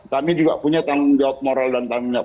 kami juga punya tanggung jawab moral dan tanggung jawab